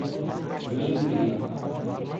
Minduri